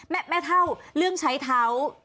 แม่เท่าเรื่องใช้เท้า